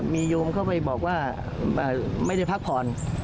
มีโยมเข้าไปบอกว่าไม่ได้พักผ่อน